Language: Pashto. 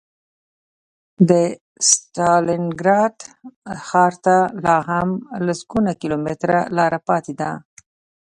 د ستالینګراډ ښار ته لا هم لسګونه کیلومتره لاره پاتې وه